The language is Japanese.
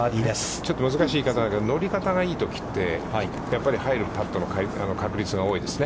ちょっと難しいけど、乗り方がいいときはやっぱり入るパットの確率が多いですね。